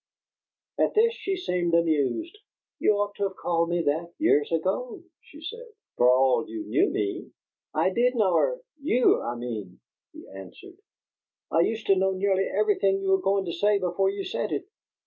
At this she seemed amused. "You ought to have called me that, years ago," she said, "for all you knew me!" "I did know her YOU, I mean!" he answered. "I used to know nearly everything you were going to say before you said it.